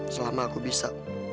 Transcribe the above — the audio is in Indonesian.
selama aku bisa